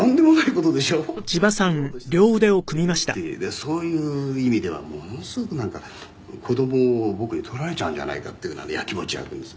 「そういう意味ではものすごくなんか子供を僕に取られちゃうんじゃないかっていうのでやきもち焼くんです」